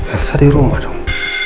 elsa di rumah dong